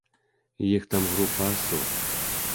Іх там група асоб.